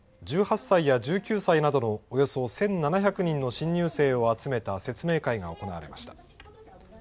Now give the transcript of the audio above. １８歳や１９歳などのおよそ１７００人の新入生を集めた説明会が行われました。